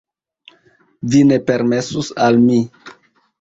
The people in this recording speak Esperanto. vi ne permesus al mi.